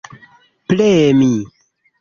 premi